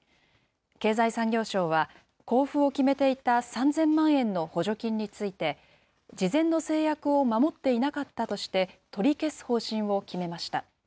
経済産業省は、交付を決めていた３０００万円の補助金について、事前の制約を守っていなかったとして、取り消す方針を決めました。